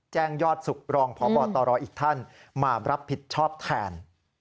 แจ้งยอดสุขรองพบตรอีกท่านมารับผิดชอบแทน